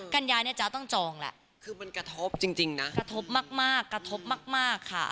กัญญายเนี่ยจ๊ะต้องจองแล้วคือมันกระทบจริงนะกระทบมากค่ะ